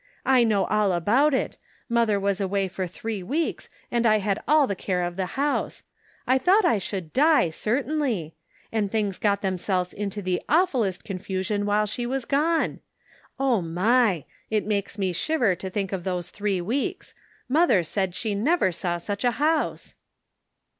I know all about it ; mother was away for three weeks, and I had all the care of the house ; I thought I should die, certainly ; and things got themselves into the awfullest confusion while she was gone ! Oh, my ! It makes me shiver to think of those three weeks. Mother said she never saw such a house."